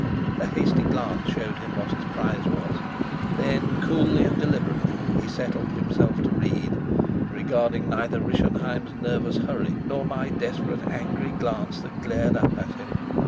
A hasty glance showed him what his prize was; then, coolly and deliberately he settled himself to read, regarding neither Rischenheim's nervous hurry nor my desperate, angry glance that glared up at him.